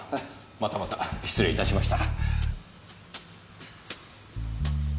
またまた失礼いたしました。